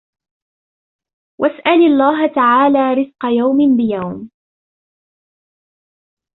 وَاسْأَلْ اللَّهَ تَعَالَى رِزْقَ يَوْمٍ بِيَوْمٍ